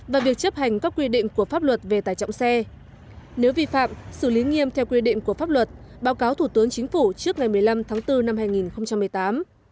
và việc chấp hành các quy định của pháp luật về tải trọng xe nếu vi phạm xử lý nghiêm theo quy định của pháp luật báo cáo thủ tướng chính phủ trước ngày một mươi năm tháng bốn năm hai nghìn một mươi tám